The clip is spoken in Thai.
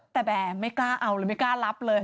แต่แบบไม่กล้าเอาเลยไม่กล้ารับเลย